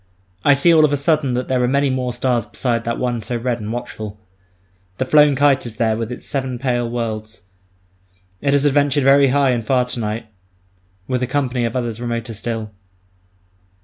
I see all of a sudden that there are many more stars beside that one so red and watchful. The flown kite is there with its seven pale worlds; it has adventured very high and far to night with a company of others remoter still.